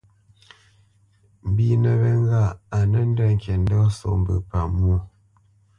Mbínə wé ŋgâʼ á nə́ ndə̂ ŋkǐ ndo nə́ sô mbə paməshwɔ̌.